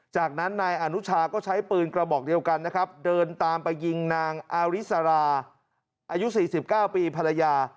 จากนั้นนายอนุชาก็ใช้ปืนกระบอกเดียวกันนะครับเดินตามไปยิงนางอาริสราอายุ๔๙ปีภรรยา